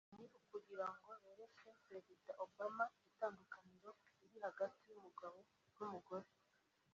ni ukugira ngo bereke Perezida Obama itandukaniro riri hagati y’umugabo n’umugore